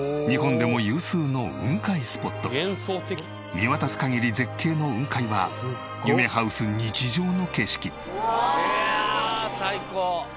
実は見渡す限り絶景の雲海は夢ハウス日常の景色。